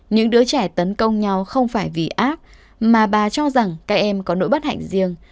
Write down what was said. những đứa trẻ tấn công nhau không phải vì ác mà bà cho rằng các em có nỗi bất hạnh riêng